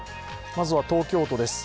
まずは東京都です。